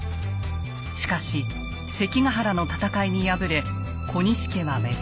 しかし関ヶ原の戦いに敗れ小西家は滅亡。